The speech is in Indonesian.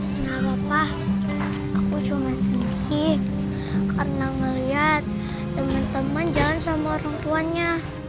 kenapa pak aku cuma sedih karena ngeliat temen temen jalan sama orang tuanya